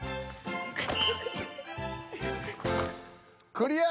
クリア。